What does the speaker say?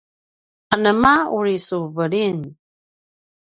anema uri su veliyn?